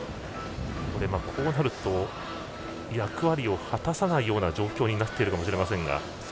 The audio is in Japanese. こうなると役割を果たさないような状況になっているかもしれませんが。